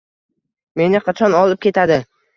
Meni qachon olib ketadi